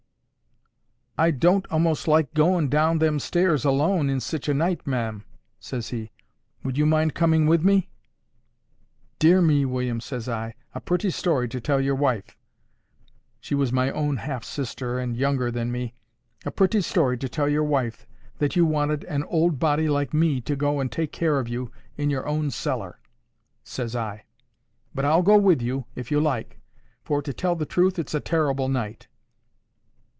—"I don't a'most like goin' down them stairs alone, in sich a night, ma'am," says he. "Would you mind coming with me?"—"Dear me, William," says I, "a pretty story to tell your wife"—she was my own half sister, and younger than me—"a pretty story to tell your wife, that you wanted an old body like me to go and take care of you in your own cellar," says I. "But I'll go with you, if you like; for, to tell the truth, it's a terrible night."